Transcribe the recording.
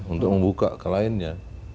untuk membuka ke lainnya